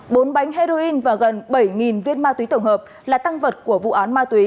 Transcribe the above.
bốn bánh heroin và gần bảy viên ma túy tổng hợp là tăng vật của vụ án ma túy